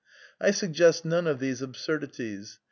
I suggest none of these absurdities.